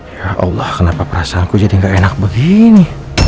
ya allah kenapa perasaanku jadi gak enak begini